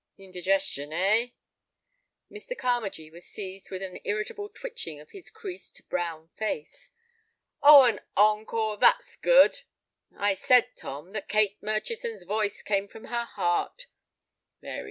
"Indigestion, eh?" Mr. Carmagee was seized with an irritable twitching of his creased, brown face. "Oh, an encore, that's good. I said, Tom, that Kate Murchison's voice came from her heart."